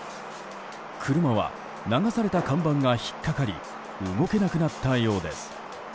車は、流された看板が引っ掛かり動けなくなったようです。